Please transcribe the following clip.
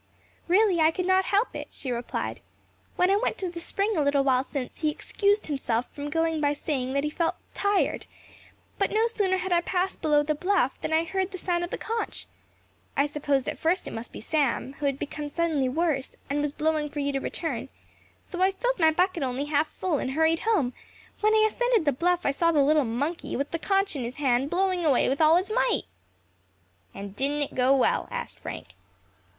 "Really, I could not help it," she replied. "When I went to the spring a little while since, he excused himself from going by saying that he felt tired; but no sooner had I passed below the bluff, than I heard the sound of the conch. I supposed at first it must be Sam, who had become suddenly worse, and was blowing for you to return; so I filled my bucket only half full, and hurried home; when I ascended the bluff I saw the little monkey, with the conch in his hand, blowing away with all his might." "And didn't it go well?" asked Frank.